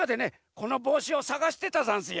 このぼうしをさがしてたざんすよ。